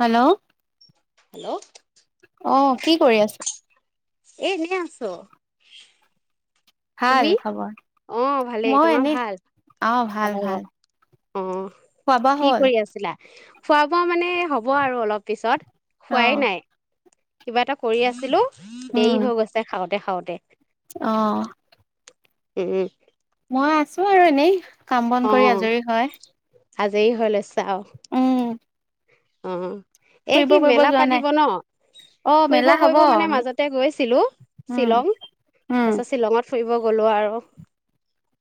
Hello. Hello. অ কি কৰি আছা? এহ এনে আছোঁ। ভাল খবৰ? ভালেই মই তোমাৰ এনেই, ভাল আহ, ভাল ভাল। অহ, খোৱা বোৱা কি হ'ল কৰি আছিলা? খোৱা বোৱা মানে হ'ব আৰু অলপ পিছত। খোৱাই নাই। কিবা এটা কৰি আছিলোঁ। দেৰি হৈ গৈছে খাৱ দেখাওঁতে অহ। এ মই আছোঁ আৰু এনেই। কাম বন কৰি আজৰি হয়। আজেই হৈ লৈছে। তাও উম অহ। এ ফুৰিব কি কৰিব মেলা যোৱা নাই? পাতিব ন? অ ফুৰিব মেলা হব কৰিব মানে মাজতে গৈছিলোঁ উম শ্বিলং, উম তাৰ পিছত শ্বিলঙত ফুৰিব গ'লো আৰু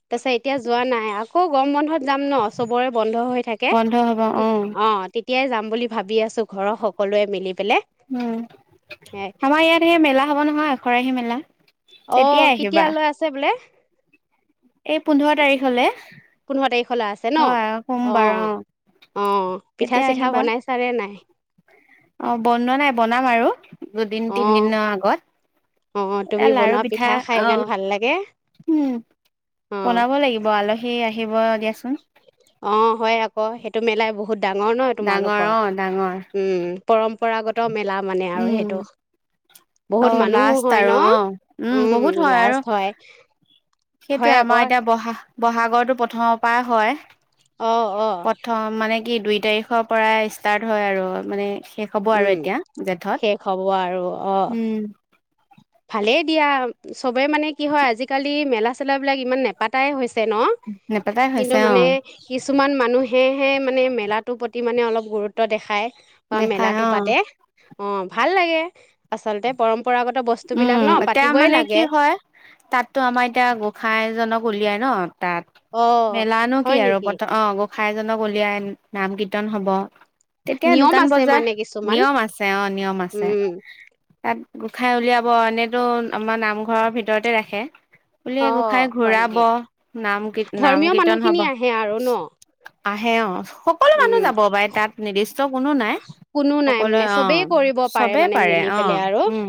তাৰিছত এতিয়া যোৱা নাই, আকৌ গৰম বন্ধত যাম ন', চবৰে বন্ধ হৈ থাকে বন্ধ হব অ অ'। তিয়াই যাম বুলি ভাবি আছোঁ ঘৰৰ সকলোৱে মিলি পেলাই। উম, আমাৰ ইয়াত সেই মেলা হ'ব নহয়, এখৰাহি মেলা। অ তেতিয়াই কেতিয়া আহিবা লৈ আছে বোলে এই পোন্ধৰ তাৰিখলে পোন্ধৰ তাৰিখলৈ আছে ন? হয় সোমবাৰ অহ, অ আহ, পিঠা চিঠা বনাইছানে নাই? অহ বনোৱা নাই, বনাম আৰু। দুদিন তিন অ', দিনৰ অ', আগত। তুমি এয়া লাৰু বনোৱা পিঠা খাই ইমান ভাল লাগে। আহ উম অ', বনাব লাগিব আলহী আহি আহিব দিয়াচোন। অহ, হয় আকৌ। সেইটো মেলাই বহুত ডাঙৰ নহয় ডাঙৰ তোমালোকৰ, অ ডাঙৰ উম। পৰম্পৰাগত মেলা মানে আৰু সেইটো। বহুত অহ মানুহো লাষ্ট হয় ন? আৰু অহ, উম, বহুত হয় আৰু। সেইটোয়ে হয় আকৌ। আমাৰ এতিয়া বহা বহাগৰটো প্ৰথমৰ পাই হয় অ', অ', প্ৰথম, মানে কি দুই তাৰিখৰ পৰাই ষ্টাৰ্ট হয় আৰু মানে শেষ হ'ব আৰু উম, এতিয়া জেঠত শেষ হ'ব আৰু অ', অ উম ভালেই দিয়া, সবে মানে কি হয় আজিকালি মেলা-চেলাাবলাক ইমান নেপাতাই হৈছে। ন, নেপাতাই কিন্তু হৈছে অ মানে কিছু মানে মানে মেলাৰ প্ৰতি মানে অলপ গুৰুত্ব দেখায়। অহ দেখাই মেলাটো অ পাতে। অহ, ভাল লাগে আচলতে পৰম্পৰাগত বস্তুবিলাক উম। ন এতিয়া পাতিবই মানে কি লাগে হয় তাতো আমাৰ এতিয়া গোসাইজনক গলিয়াই ন? তাত অ মেলানো কি হয় আৰু নেকি [unintelligible] অ সাইজনক উলিয়াই নাম কীৰ্তন হ'ব। তেতিয়া নিয়ম দোকান আছে বজাৰ, মানে কিছুমান নিয়ম আছে অহ, নিয়ম আছে। উম তাত গোসাই উলিয়া [unintelligible] [unintelligible] আমাৰ নামঘৰৰ ভিত ভিতৰতে ৰাখে। বোলে অ গোঁসাই হয় ঘূৰাব নেকি নাম কি-নাম ধৰ্মীয় কীৰ্তন হ'ব। মানুহখিনি আহে আৰু ন আহে অ সকলো মানুহ উম যাব পাৰে তাত নিৰ্দিষ্ট কোনো নাই কোনো নাই সকলোৱে মানে অ চবেই কৰিব চবেই মানে পাৰে মিলি অ পেলাই আৰু উম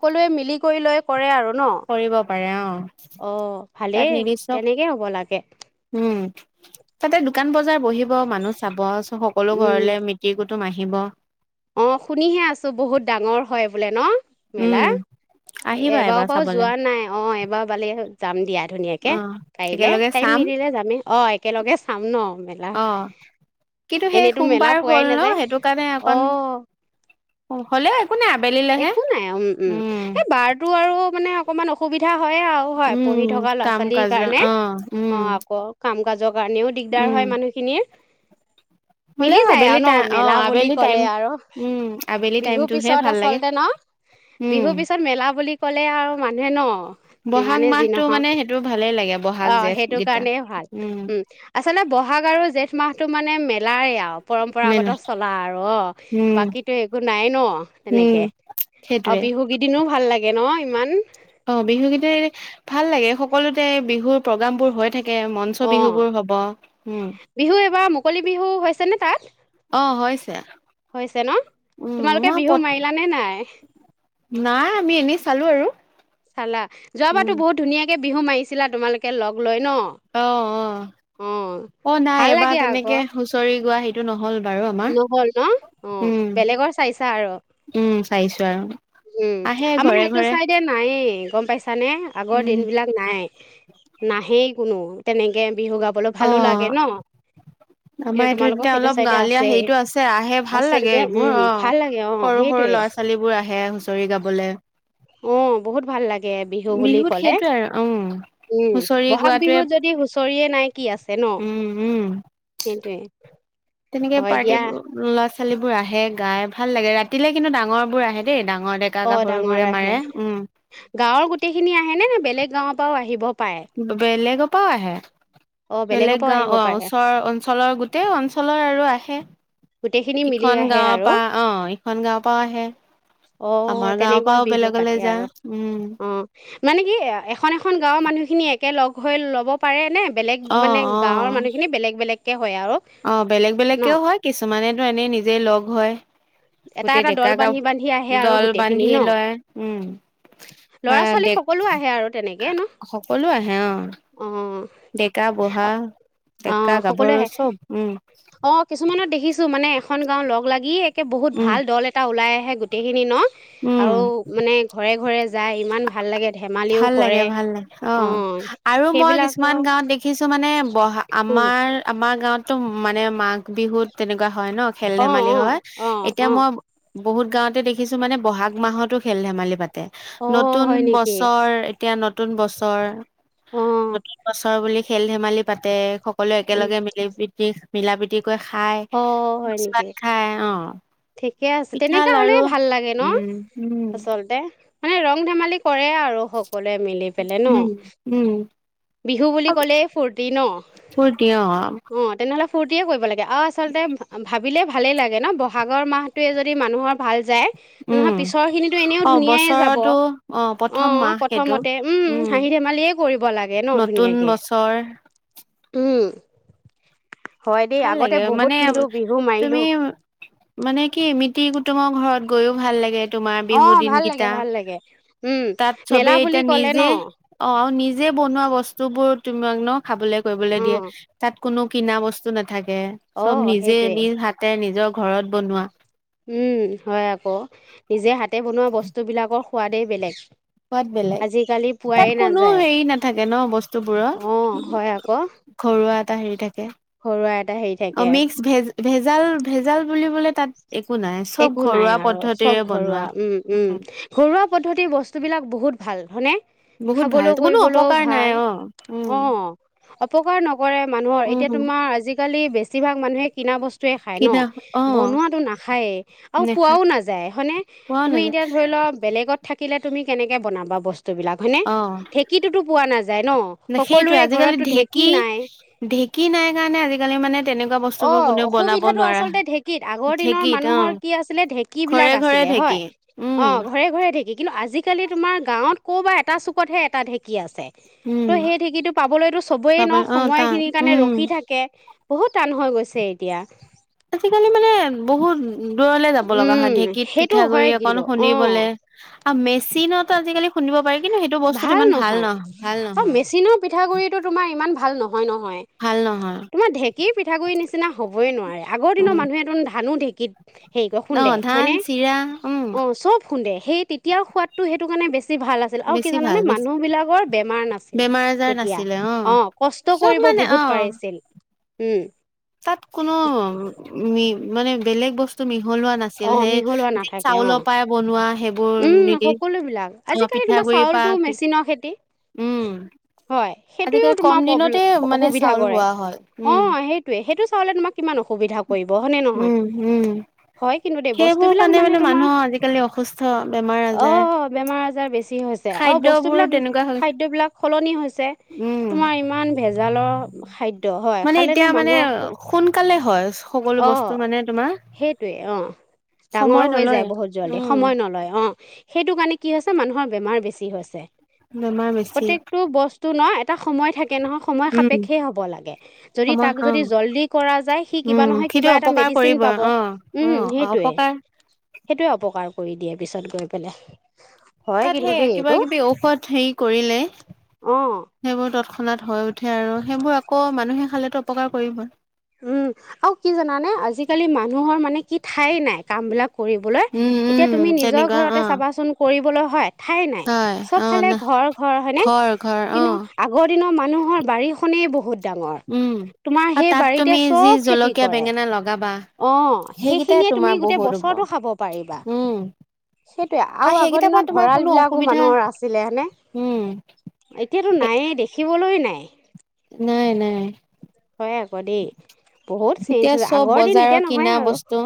সকলোৱে মিলি কৰি লৈ কৰে আৰু। ন'? কৰিব পাৰে অ অ', তাত ভালেই নিৰ্দিষ্ট তেনেকে হ'ব লাগে। উম তাতে দো দোকান বজাৰ বহিব মানুহ চাব সকলো উম ঘৰলৈ মিতিৰ- কুটুম্ব টুম আহিব অ শুনিহে আছো বহুত ডাঙৰ হয় বোলে ন উম মেলা আহিবা এবাৰ পৰাও চাবলে যোৱা নাই অ', এবাৰ বালে হ'ল। যাম দিয়া ধুনীয়াকে অ পাৰিলে একেলগে টাইম চাম মিলিলে যামেই। অ', একেলগে চাম ন' মেলা, অ কিন্তু এনেইতো মেলা পোৱাই নাযায়। অ অকন অ হলে আ একো নাই উম উম এই বাৰটো আৰু মানে অকণমান অসুবিধা হয়ে আৰু হয় পঢ়ি উম থকা ল'ৰা কাম ছোৱালীৰ কাজৰ কাৰণে। অ উম অ', আকৌ কাম কাজৰ কাৰণেও দিগদাৰ উম হয় মানুহখিনিৰ। মিলি হ'লেও যায় আবেলি আৰু ন টাই মেলা অ', বুলি আবেলি টাইম ক'লে আৰু উম, আবেলি বিহুৰ টাইমটোহে পিছত ভাল লাগে আচলতে ন উম বিহুৰ পিছত মেলা বুলি ক'লে আৰু মানুহে ন বহাগ যিমানে যি মাহটো নহওক মানে সেইটো ভালে লাগে বহাগ অ জেঠ সেইটো গীতা কাৰণেই ভাল উম আচলতে বহাগ আৰু জেঠ মাহটো মানে মেলাই আ মেলা পৰম্পৰাগত চলা আৰু অ উম বাকীতো একো নাই ন উম তেনেকে আৰু সেইটোৱে বিহুকেইদিনো ভা ভাল লাগে ন ইমান অ', বিহু কেইদিন ভাল লাগে সকলোতে বিহুৰ প্ৰগ্ৰাম বোৰ হৈ থাকে মঞ্চ অ বিহু বোৰ হ'ব উম বিহু এইবাৰ মুকলি বিহু হৈছে নে তাত? অ হৈছে হৈছে ন'। উম তোমালোকে মই বিহু পত মাৰিলা নে নাই? নাই আমি এনেই চালো আৰু চালা উম যোৱাবাৰটো বহুত ধুনীয়াক কে বিহু মাৰিছিলা তোমালোকে লগ লৈ ন অ', অ', অ অ', নাই ভাল এবাৰ তেনেকে হুঁচৰি গোৱা সি টো নহ'ল বাৰু আমাৰ নহ'ল ন' অ', উম বেলেগৰ চাইছা আৰু উম চাইছো আৰু উম, আহে আমাৰ ঘৰে সেইটো ঘৰে ছাইডে নায়েই। গম পাইছ চানে আগৰ উম দিনবিলাক নাই। নাহেই কোনো তেনেকে বিহু গাবলৈ অ ভালো লাগে ন'। কিন্তু আমাৰ এইটো তোমালোকক সেইটো ছাইডে আ এতিয়া হেইটো আছে আহে ভাল লাগে এইবোৰ অ', ভাল লাগে অ' সৰু সৰু সেইটোৱে ল'ৰা ছোৱালীবোৰ আহে হুঁচৰি গাবলে। অ', বহুত ভাল লাগে বিহু বুলি বিহুত ক'লে। সেইটোৱে আৰু উম উম, হুঁচৰি বহাগ গোৱাটোৱে বিহুত যদি হুচ চৰিয়ে নাই কি আছে ন' উম উম সেইটোৱে। তেনেকে হয় পাৰ্টি দিয়া। [unintelligible] ল'ৰা ছোৱালীবোৰ আহে গাই ভাল লাগে ৰাতিলে কিন্তু ডাঙৰবোৰ আহে দেই ডাঙ অ', ডাঙৰ আহে, গাঁৱৰ গোটেইখিনি আহেনে? বেলেগ গাঁৱৰ পৰাও আহিব পাৰে? বেলেগৰ পা আহে। অ' বেলেগৰ বেলেগ পৰাও গাও আহিব অ', পাৰে। ওচৰৰ অঞ্চলৰ গোটেই অঞ্চলৰ আৰু আ আহে। গোটেইখিনি মিলি ইখন আহে গাঁৱৰ আৰু পৰা অ ইখন গাঁৱৰ পৰাও আহে অহ, আমাৰ গাঁৱৰ তেনেকৈ পৰাও বিহু বেলেগলৈ পাতে যা আৰু উম অ', মানে কি এখন এখন গাঁওৰ মানুহখিনি এক তাকে লগ হৈ ল'ব পাৰেনে বেলেগ অ মানে অ গাঁৱৰ মানুহখিনি বেলেগ বেলেগ অ', বেলেগ বেলেগকেও হয় কিছুমানেতটো এনেই নিজে লগ হয় হে এটা গোটেই এটা ডেকা দল গা বান্ধি বান্ধি আহে আৰু দল গোটেইখিনি বান্ধি ন লয়। উম, ল'ৰা আহ, ছোৱালী ডেক সকলো আহে আৰু তেনেকে ন সকলো আহে অ'। অঁ ডেকা বুঢ়া ডেকা অঁ সকলোৱে গাভৰু আহে চব উম। অঁ কিছুমানত দেখিছোঁ মানে এখন গাঁও লগ লাগিয়ে বহুত উম ভাল দল এটা ওলায় হে গোটেইখিনি ন'? আৰু উম মানে ঘৰে ঘৰে যায় ইমান ভাল লাগে। ধেমালিও ভাল কৰে লাগে, ভাল লাগে। অঁ। আৰু মই সেইবিলাক কিছুমান অঁ গাঁৱত দেখিছো মানে বহা আমাৰ - আমাৰ গাঁৱত তু মানে মাঘ বিহুত তেনেকুৱা হয় ন খেল অঁ ধেমালি অঁ হয় অঁ এতিয়া অঁ মই বহুত গাঁৱতে দেখিছো মানে বহাগ মাহতো খেল ধেমালি পাত ইয়াতে অঁ নতুন হয় নেকি বস্ত ধৰ এতিয়া নতুন বছৰ নতুন বছৰ বুলি খেল ধেমালি পাতে সকলোৱে অঁ একেলগে মিলি পিকনিক মিলা প্ৰীতি গৈ খাই অ', হয় ভোজ ভাত নেকি খাই অ ঠিকে আছে। পিঠা তেনেকা লাৰু হ'লেই ভাল লাগে ন' উম উম আচলতে। মানে ৰং ধেমালিক কৰে আৰু সকলোৱে মিলি পেলে ন'। উম উম বিহু বুলি ক'লেই ফূৰ্তি ন'? ফূৰ্তি অ অ', তেনেহ'লে ফুৰ কৰিব লাগে আৰু আচলতে ভাবিলে ভালে লাগে ন' ব ভাগৰ মাহটোৱে যদি মানুহৰ ভাল যায় নহয় উম পিছৰ খিনিটো এনেও অ ধুনীয়াই যাব। বছৰতো অ প্ৰথম অ', মাহ সেইটো প্ৰথমতে উম, হাঁহি ধেমালিয়ে কৰিব লাগে ন' নতুন ধুনীয়াকে। বছৰ উম। হয় দেই ভাল আগতে লাগে বহুত মানে কিন্তু বিহু তুমি মাৰিলোঁ। মানে কি মিতি কুটুমৰ ঘৰত গৈও ভাল লাগে। তোমাৰ বিহু অ', ভাল লাগে দিনকিটা, ভাল লাগে উম তাত মেলা চবেই বুলি এতিয়া ক'লে ন নিজে, অ নিজে বনোৱা বস্তুবোৰ তোমাক ন? খাবলে কৰিবলৈ দিয়ে, অ', তাত কোনো কিনা বস্তু না এ, চব অঁ নিজে সেইটোৱে নিজ হাতে নিজৰ ঘৰত বনোৱা। উম হয় আকৌ, নিজে হাতে বনোৱা বস্তুবিলাকৰ সোৱাদেই বেলেগ! সোৱাদ বেলেগ। আজিকালি তাত পোৱাই কোনো নাযায় হেৰি নাথাকে ন বস্তুবোৰৰ? অঁ হয় আকৌ ঘৰুৱা এটা হেৰি থাকে। ঘৰুৱা এটা হেৰি অ থাকে মিক্স ভেজ ভেজাল ভেজাল বুলিবলৈ তাত একো নাই চব একো নাই ঘৰুৱা আৰু, চব পদ্ধতিৰে বনোৱা ঘৰুৱা। উম উম, ঘৰুৱা পদ্ধতিৰ বস্তু বিলাক বহুত ভাল, হয়নে? বহুত ভাল খাবলৈ কোনো কৰিবলৈও অপকাৰ নাই ভাল। অ উম অ, অপকাৰ নকৰে মানুহৰ, এতিয়া উম তোমাৰ আজিকালি বেছিভাগ মানুহে কিনা বচ টোৱে খায় ন? কিনা অ বনোৱাটো নাখায়েই। আৰু দেখা পোৱাও নাযায় হয়নে পোৱাও তুমি নাযায় এতিয়া ধৰি লোৱা বেলেগ ত থাকিলে তুমি কেনেকে বনাবা বস্ বস্তুবিলাক হয়নে? অ ঢেঁকীটোতো পোৱা নাযায় ন', সেইটোৱে সকলোৰে আজিকালি ঘৰতটো ঢেঁকী নাই। ঢেঁকী নাই কাৰণে আজিকালি মানে তেনেকুৱা বস্তুবোৰ অ', কোনেও বনাব অসুবিধাটো নোৱাৰা আচলতে ঢেঁকীত আগৰ দিনৰ ঢেঁকীত অ মানুহৰ ঢেঁকীবিলাক ঘৰে ঘৰে আছিলে ঢেঁকী হয়। উম অ', ঘৰে ঘৰে ঢেঁকী কিন্তু আজিকালি তোমাৰ গাঁৱত ক'ৰবা এটা চুকতহে এটা ঢেঁকী আছে উম ত' সেই ঢেঁকীটো পাবলৈতো চবই পাব ন অ সময় টান খিনিৰ কাৰণে উম ৰখি থাকে বহুত টান হৈ গৈছে এতিয়া। আজিকালি মানে বহুত দূৰলে যাব লগা হয় উম ঢেকীত সেইটো হয় পিঠাগুৰি অকন কিন্তু অ খুন্দিবলে আ মে চিনতো আজিকালি শুন্দিব পাৰি কিন্তু সেইটো বস্তুতটো ইমান ভাল নহ, ভাল অ নহয়। মেচিনৰ পিঠাগুৰিটো তোমাৰ ইমান ভাল ন' নহয় নহয়। ভাল নহয় তোমাৰ ঢেঁকীৰ পিঠাগুৰি নিচিনা হ'বই নোৱাৰে আগৰ দিনৰ উম মানুহে টোন ধানো ঢেঁ [inaudible] অ', ধান, চিৰা উম। অ চব খুন্দে সেই তেতিয়াৰ সোৱাদ তো সেইটো কাৰণে বে বেছি ভাল আছিল আৰু কি বেছি ভাল জানানে বেছি মানুহবিলাকৰ বেমাৰ নাছিল বেমাৰ আজাৰ তেতিয়া, নাছিলে অ', কষ্ট চব কৰিব মানে বহুত অ' পাৰিছিল। উম। তাত কোনো মি মানে বেলেগ বস্তু [inaudible] মিহলোৱা নাছিল অ সেই মিহলোৱা যি নাথাকে অ চাউলৰ পৰাই বনোৱা সেইব উম সকলো বিলাক আজিকালি তোমাৰ পিঠাগুৰি পা চাউলটো মেচিনৰ খেতি। উম হয় সেইটোৱেও আজিকালি কম তোমাৰ দিনতে প্ৰব্লেম মানে অসুবিধা চাউল কৰে হোৱা হয় অ উম। সেইটোয়ে সেইটো চাউলে তোমাক কিমান অসুবিধা কৰিব হয়নে নহয়? উম, উম, হয় কিন্তু দেই সেইবোৰ বস্তুবিলাক কাৰণে মানে তোমাৰ মানুহৰ আজিকালি অসুস্থ। বেমাৰ আজাৰ। অ', বেমাৰ আজাৰ বেছি হৈছে আৰু খাদ্যবোৰ বস্তুবিলাক তেনেকুৱা হৈ গৈছে, খাদ্য বিলাক সলনি হৈছে উম। তোমাৰ ইমান ভেজালৰ খাদ্য হয়, মানে খালেনো এতিয়া মানে মানুহক ক'ত সোনকালে হয়। সকলো বস্তু অ', মানে তোমাৰ সেইটোৱে অ', ডাঙৰ সময় হৈ নলয়। যায় বহুত যোৱালে উম, সময় নলয় অ'। অ সেইটো কাৰণে কি হৈছে মানুহৰ বেমাৰ বেছি হৈছে বেমাৰ বেছি, প্ৰত্যেকটো বস্তু ন এটা সময় থাকে নহয় সময় উম, সাপেক্ষেই হ'ব লাগে যদি সময় তাক যদি অ', জল্দি কৰা যায় সি কিবা উম, নহয় সেইটো কিবা এটা অপকাৰ মেডিচিন কৰিব অ', পাব উম, অ', সেইটোৱে অপকাৰ সেইটোৱে অপকাৰ কৰি দিয়ে। পিছত গৈ পেলাই। হয় তাত কিন্তু সেই দেই কিবা এইটো কিবি ঔষধ হেৰি কৰিলে অঁ সেইবোৰ তৎক্ষণ নাত হয় উঠে [unintelligible] সেইবোৰ আকৌ মানুহে খালে অপকাৰ কৰিব। আৰু কি জানানে আজিকালি মানুহৰ মানে কি ঠাই নাই কামবিলাক কৰিবলৈ, উম, এতিয়া উম, তুমি নিজৰ তেনেকুৱা ঘৰতে অ', চাবাচোন কৰিবলৈ [unintelligible] ঠাই নাই, হয় চব অ', ফালে না ঘৰ ঘৰ হয়নে ঘৰ কিন্তু অ'। আগৰ দিনৰ মান মানুহৰ বাৰীখনেই বহুত। ডাঙৰ, উম তোমাৰ আৰু সেই তাত বাৰীত তুমি যি জলকীয়া বেঙেনা লগাব অ', সেইখিনিয়ে তুমি গোটেই হ'ব বছৰটো খাব পাৰিবা। উম সেইটোৱে আৰু আগৰ সেইকেইটাৰ পৰা দিনত তোমাৰ ভঁৰাল কোনো বিলাকো অসুবিধা মানুহৰ আছিলে হয়নে উম এতিয়াতো নায়ে দেখিব ক'বলৈ নাই। নাই নাই। হয় আকৌ দেই, বহুত চেঞ্জ এতিয়া হৈছে, চব আগৰ দিন বজাৰৰ এতিয়া নহয় কিনা আৰু বস্তু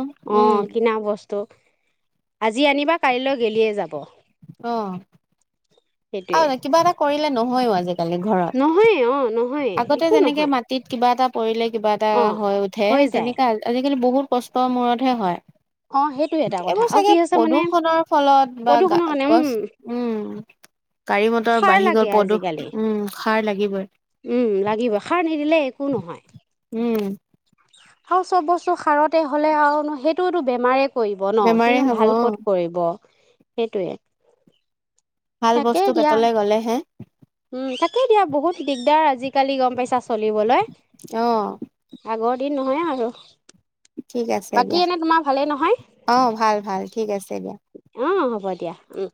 উম অ', কিনা বস্তু [unintelligible] আজি আনিবা কাইলৈ গেলিয়ে যাব। অ'। সেইটোৱে অ', কিবা এটা কৰিলে নহয়ও আজি। আজিকালি ঘৰত নহয় অ নহয় আগতে একো যেনেকে নহয় মাটিত কিবা এটা পৰিলে কিবা এটা অ হৈ উঠে তেনেকা আজিকালি বহুত। কষ্টৰ মূৰতহে হয়। অ সেইটো এটা কথা এইবোৰ আৰু চাগে কি হৈছে মানে প্ৰদূষনৰৰ ফলত বা গা প্ৰদূষণৰ কাৰণে গছ উম উম, গাড়ী মতৰ সাৰ বাঢ়ি গল লাগে প্ৰদূষ আজিকালি উম সাৰ লাগিবই, দিলে একো নহয়। উম, আৰু চব বস্তু সাৰতে হ'লে আৰু সেইটোতো বেমাৰে কৰিব ন বেমাৰে কিন্তু হ'ব অ ভাল ক'ত কৰিব। সেইটোৱে। ভাল তাকেই বস্তু দিয়া পেটলে গ'লেহে উম তাকে দিয়া বহুত দিগদাৰ আজি, কালি গম পাইছা চলিবলৈ। আগৰ অহ, দিন নহয় আৰু ঠিক আছে বাকী দিয়া, এনে তোমাৰ ভালেই নহয় অ', ভাল ভাল ঠিক আছে দিয়া। অ হ'ব দিয়া, উম।